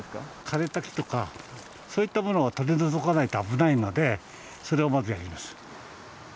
枯れた木とかそういったものを取り除かないと危ないのでそれをまずやります。